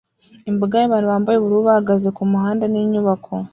Imbaga y'abantu bambaye ubururu bahagaze kumuhanda ninyubako